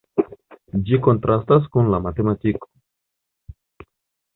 Ĝi kontrastas kun la gramatiko.